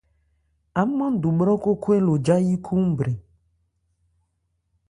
Ámándo bhrɔ́khó khwɛn lo jayí khúúnbrɛn.